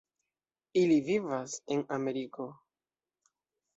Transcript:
Ili vivas en Ameriko.